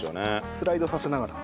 スライドさせながら。